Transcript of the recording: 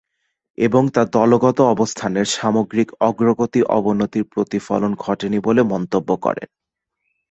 এবং তা দলগত অবস্থানের সামগ্রিক অগ্রগতি-অবনতির প্রতিফলন ঘটেনি বলে মন্তব্য করেন।